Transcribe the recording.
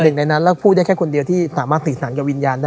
หนึ่งในนั้นแล้วพูดได้แค่คนเดียวที่สามารถสื่อสารกับวิญญาณได้